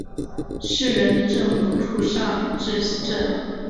市人民政府驻尚志镇。